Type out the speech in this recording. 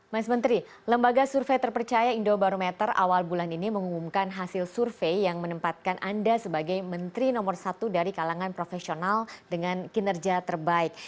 mas menteri lembaga survei terpercaya indobarometer awal bulan ini mengumumkan hasil survei yang menempatkan anda sebagai menteri nomor satu dari kalangan profesional dengan kinerja terbaik